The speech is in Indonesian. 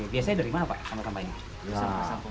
biasanya dari mana pak sampah sampah ini